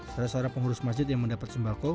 salah seorang pengurus masjid yang mendapat sembako